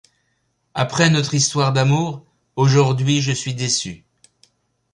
Après notre histoire d'amour, aujourd'hui je suis déçu.